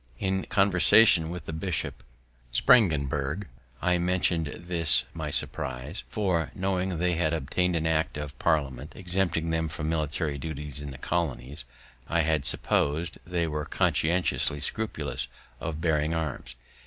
In conversation with the bishop, Spangenberg, I mention'd this my surprise; for, knowing they had obtained an act of Parliament exempting them from military duties in the colonies, I had suppos'd they were conscientiously scrupulous of bearing arms.